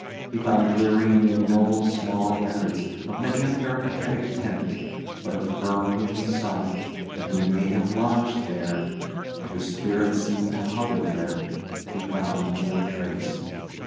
He found dreary and ignoble small records of many a peripatetic tenant; but of her whom he sought, and who may have lodged there, and whose spirit seemed to hover there, he found no trace.